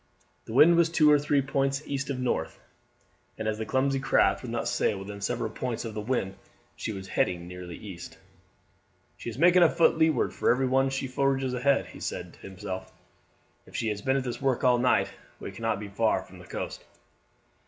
The wind was two or three points east of north, and as the clumsy craft would not sail within several points of the wind she was heading nearly east. "She is making a foot to leeward for every one she forges ahead," he said to himself. "If she has been at this work all night we cannot be far from the coast."